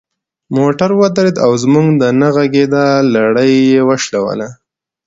موټر ودرید او زموږ د نه غږیدا لړۍ یې وشلوله.